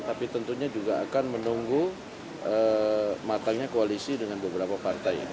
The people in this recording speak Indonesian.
tapi tentunya juga akan menunggu matangnya koalisi dengan beberapa partai